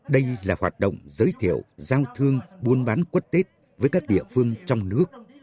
đây là hoạt động giới thiệu giao thương buôn bán quất tết với các địa phương trong nước